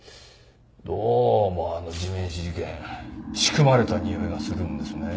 どうもあの地面師事件仕組まれたにおいがするんですね。